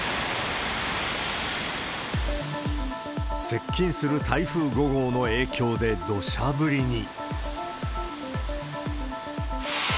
接近する台風５号の影響でどしゃ降りに。